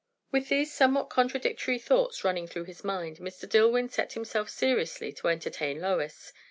With these somewhat contradictory thoughts running through his mind, Mr. Dillwyn set himself seriously to entertain Lois.